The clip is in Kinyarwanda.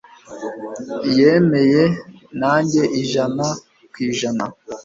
yemeye nanjye ijana ku ijana.